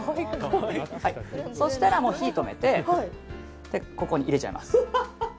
そうしたら火を止めてここに入れちゃいます。